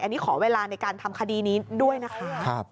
อันนี้ขอเวลาในการทำคดีนี้ด้วยนะคะ